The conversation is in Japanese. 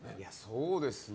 そうですね。